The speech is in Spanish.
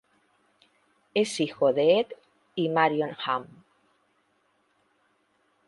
Es hijo de Ed y Marion Ham.